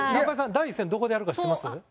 第１戦どこでやるか知ってます？